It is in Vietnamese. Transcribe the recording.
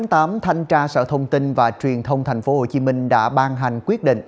ngày chín tháng tám thanh tra sở thông tin và truyền thông tp hcm đã ban hành quyết định